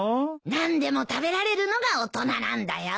何でも食べられるのが大人なんだよ。